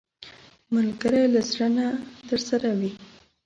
ملګری له زړه نه درسره وي